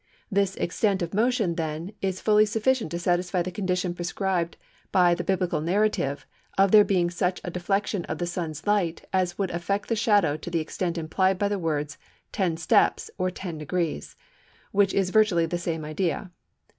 This extent of motion, then, is fully sufficient to satisfy the condition prescribed by the Biblical narrative of there being such a deflection of the Sun's light as would affect the shadow to the extent implied by the words "ten steps" or "ten degrees," which is virtually the same idea.